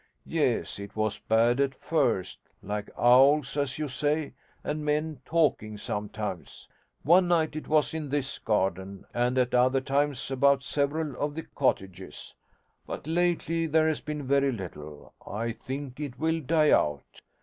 Yes, it was bad at first: like owls, as you say, and men talking sometimes. One night it was in this garden, and at other times about several of the cottages. But lately there has been very little: I think it will die out.